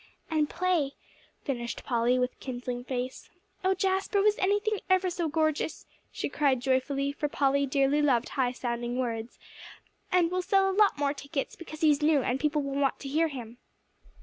"And play," finished Polly, with kindling face. "Oh Jasper, was anything ever so gorgeous!" she cried joyfully, for Polly dearly loved high sounding words; "and we'll sell a lot more tickets, because he's new, and people will want to hear him."